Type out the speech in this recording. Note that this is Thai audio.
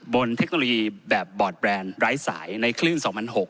เทคโนโลยีแบบบอร์ดแบรนด์ไร้สายในคลื่น๒๐๐๖๐